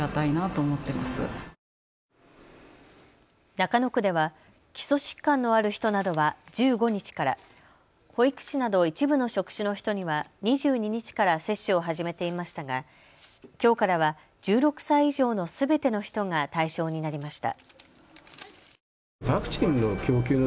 中野区では基礎疾患のある人などは１５日から、保育士など一部の職種の人には２２日から接種を始めていましたがきょうからは１６歳以上のすべての人が対象になりました。